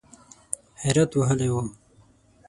حیرت وهلی و .